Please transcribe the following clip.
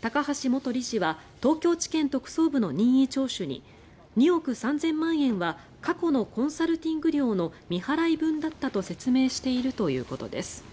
高橋元理事は東京地検特捜部の任意聴取に２億３０００万円は過去のコンサルティング料の未払い分だったと説明しているということです。